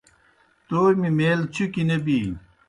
تومیْ میل چُکیْ نہ بِینیْ